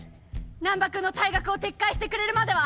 難破君の退学を撤回してくれるまでは！